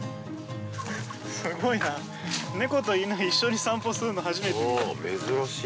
すごいな猫と犬一緒に散歩するの初めて見た。